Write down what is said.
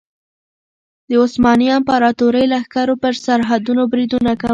د عثماني امپراطورۍ لښکرو پر سرحدونو بریدونه کول.